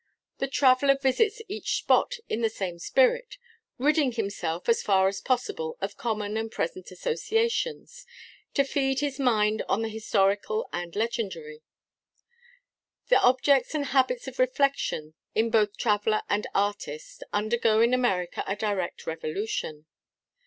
The traveller visits each spot in the same spirit—ridding himself, as far as possible, of common and present associations, to feed his mind on the historical and legendary. The objects and habits of reflection in both traveller and artist undergo in America a direct revolution.